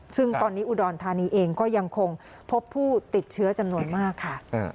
ซึ่งตอนนี้อุดรธานีเองก็ยังคงพบผู้ติดเชื้อจำนวนมากค่ะ